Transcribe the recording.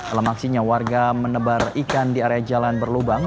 dalam aksinya warga menebar ikan di area jalan berlubang